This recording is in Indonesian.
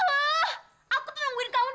ra aku ngamukulin dia gitu